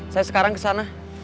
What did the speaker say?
saya sekarang kesana